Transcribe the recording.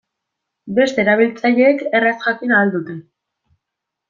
Beste erabiltzaileek erraz jakin ahal dute.